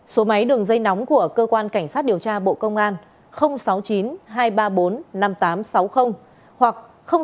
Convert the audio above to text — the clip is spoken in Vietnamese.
số máy đường dây nóng của cơ quan cảnh sát điều tra bộ công an sáu mươi chín hai trăm ba mươi bốn năm nghìn tám trăm sáu mươi hoặc sáu mươi chín hai trăm ba mươi hai một nghìn sáu trăm